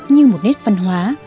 như một nét văn hóa